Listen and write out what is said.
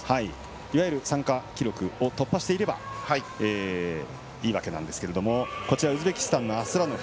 いわゆる参加記録を突破していればいいわけなんですがウズベキスタンのアスラノフ。